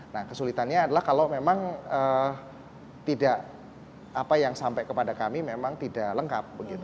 nah kesulitannya adalah kalau memang tidak apa yang sampai kepada kami memang tidak lengkap